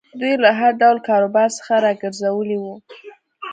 دوی له هر ډول کاروبار څخه را ګرځولي وو.